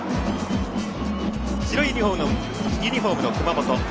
白いユニフォームの熊本。